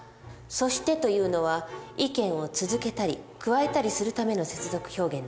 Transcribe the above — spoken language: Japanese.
「そして」というのは意見を続けたり加えたりするための接続表現なの。